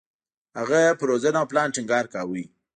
هغه پر روزنه او پلان ټینګار کاوه.